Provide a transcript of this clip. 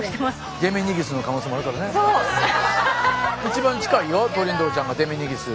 一番近いよトリンドルちゃんがデメニギス。